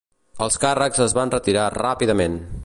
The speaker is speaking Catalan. Els càrrecs es van retirar ràpidament.